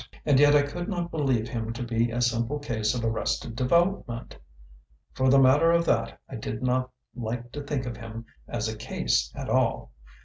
And yet I could not believe him to be a simple case of arrested development. For the matter of that, I did not like to think of him as a "case" at all.